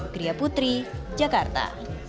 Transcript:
kriya putri jakarta